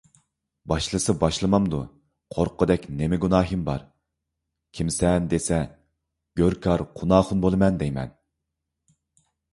باشلىسا باشلىمامدۇ، قورققۇدەك نېمە گۇناھىم بار. «كىمسەن؟» دېسە، «گۆركار قۇناخۇن بولىمەن» دەيمەن...